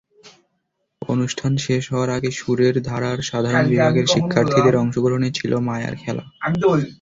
অনুষ্ঠান শেষ হওয়ার আগে সুরের ধারার সাধারণ বিভাগের শিক্ষার্থীদের অংশগ্রহণে ছিল মায়ার খেলা।